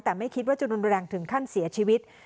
แต่ไม่คิดว่าจะรุนแรงถึงขั้นเสียชีวิต